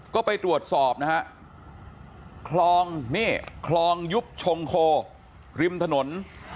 ก็ไปตรวจสอบนะฮะคลองนี่คลองยุบชงโคริมถนน